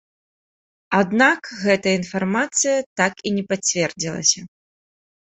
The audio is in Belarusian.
Аднак, гэтая інфармацыя так і не пацвердзілася.